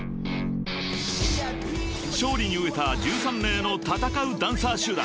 ［勝利に飢えた１３名の戦うダンサー集団］